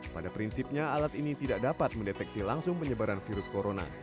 pada prinsipnya alat ini tidak dapat mendeteksi langsung penyebaran virus corona